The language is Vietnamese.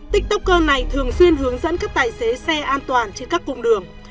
tiktoker này thường xuyên hướng dẫn các tài xế xe an toàn trên các cung đường